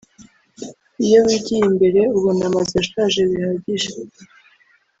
Iyo wigiye imbere ubona amazu ashaje bihagije